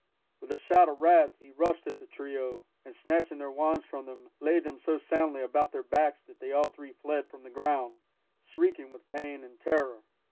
With a shout of wrath he rushed at the trio, and snatching their wands from them, laid them so soundly about their backs that they all three fled from the ground, shrieking with pain and terror.